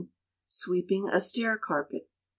Sweeping a Stair Carpet.